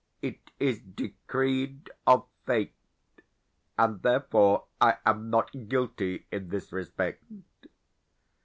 It is decreed of fate, and therefore I am not guilty in this respect.